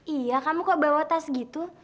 iya kamu kok bawa tes gitu